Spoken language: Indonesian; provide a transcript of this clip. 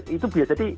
itu bisa jadi